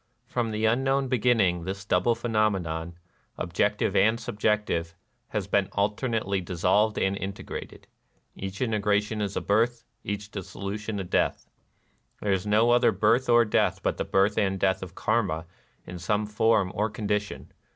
From the unknown be ginning, this double phenomenon, objective and subjective, has been alternately dissolved and integrated : each integration is a birth ; each dissolution a death. There is no other birth or death but the birth and death of Karma in some form or condition.